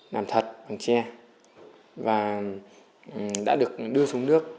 làm thật bằng tre và đã được đưa xuống nước